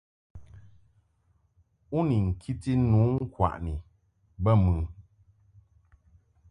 U ni nkiti nu ŋkwaʼni bə mɨ ?